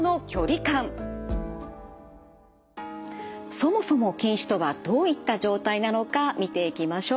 そもそも近視とはどういった状態なのか見ていきましょう。